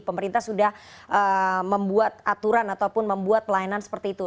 pemerintah sudah membuat aturan ataupun membuat pelayanan seperti itu